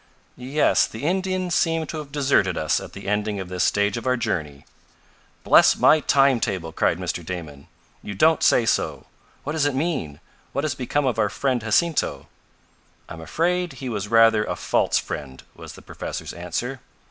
"Yes. The Indians seem to have deserted us at the ending of this stage of our journey." "Bless my time table!" cried Mr. Damon. "You don't say so! What does it mean? What has becomes of our friend Jacinto?" "I'm afraid he was rather a false friend," was the professor's answer.